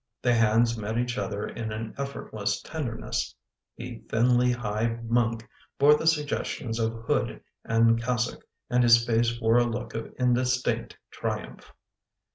The hands met each other in an effortless tenderness; the thinly high monk bore the suggestions of hood and cas sock and his face wore a look of indistinct triumph.